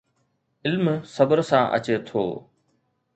علم صبر سان اچي ٿو